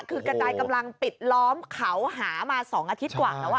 คือกระจายกำลังปิดล้อมเขาหามา๒อาทิตย์กว่าแล้ว